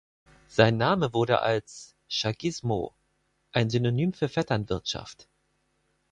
Sein Name wurde als "chaguismo" ein Synonym für Vetternwirtschaft.